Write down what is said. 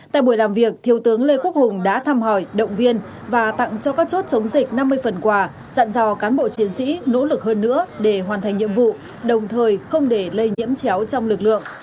tại buổi làm việc thiếu tướng lê quốc hùng đã thăm hỏi động viên và tặng cho các chốt chống dịch năm mươi phần quà dặn dò cán bộ chiến sĩ nỗ lực hơn nữa để hoàn thành nhiệm vụ đồng thời không để lây nhiễm chéo trong lực lượng